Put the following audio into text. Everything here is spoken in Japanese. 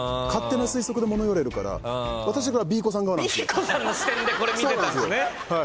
Ｂ子さんの視点でこれ見てたんすね。